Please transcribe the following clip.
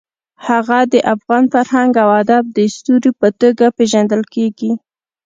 هغه د افغان فرهنګ او ادب د ستوري په توګه پېژندل کېږي.